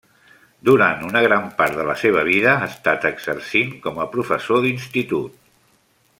Durant una gran part de la seva vida ha estat exercint com a professor d'Institut.